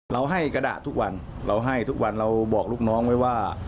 เราให้กระดาษทุกวันเราบอกลูกน้องไว้ว่า